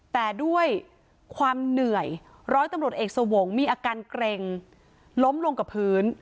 แต่ด้วยความเหนื่อยร้อยตำรวจเอกสวงศ์มีอาการเกร็งล้มลงกับพื้น